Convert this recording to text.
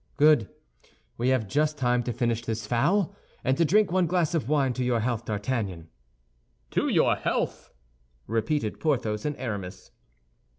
"Good! We have just time to finish this fowl and to drink one glass of wine to your health, D'Artagnan." "To your health!" repeated Porthos and Aramis.